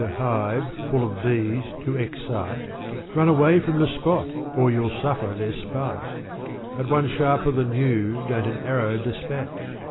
When youVc managed a hive, foil of bees, to excite, Run away from the spot ! or you'll suffer their spite. At one sharper than you, don't an arrow despatch